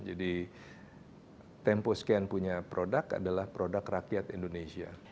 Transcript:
jadi temposcan punya produk adalah produk rakyat indonesia